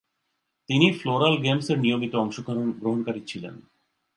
তিনি ফ্লোরাল গেমসের নিয়মিত অংশগ্রহণকারী ছিলেন।